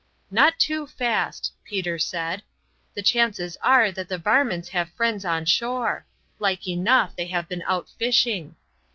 "Not too fast," Peter said. "The chances are that the varmints have friends on shore. Like enough they have been out fishing."